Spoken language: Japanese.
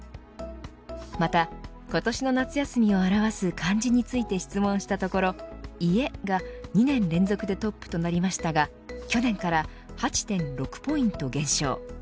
また、今年の夏休みを表す漢字について質問したところ家が２年連続でトップとなりましたが去年から８．６ポイント減少。